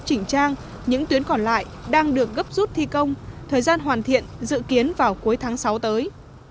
chỉnh trang những tuyến còn lại đang được gấp rút thi công thời gian hoàn thiện dự kiến vào cuối tháng sáu tới